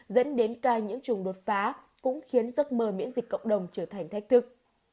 dẫn đến ca nhiễm trùng đột phá cũng khiến giấc mơ miễn dịch cộng đồng trở thành thách thức